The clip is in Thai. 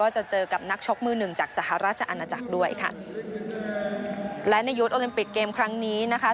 จะเจอกับนักชกมือหนึ่งจากสหราชอาณาจักรด้วยค่ะและในยุทธ์โอลิมปิกเกมครั้งนี้นะคะ